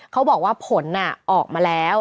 เขาบอกว่าผลออกมาแล้ว